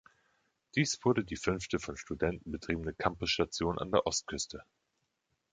Dies wurde die fünfte von Studenten betriebene Campus-Station an der Ostküste.